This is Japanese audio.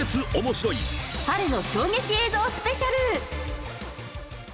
春の衝撃映像スペシャル。